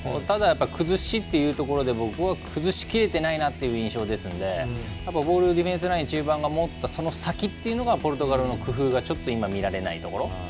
崩しというところで僕は崩しきれてないなという印象なのでボールをディフェンスラインが持ったその先っていうのがポルトガルの工夫が見られないところ。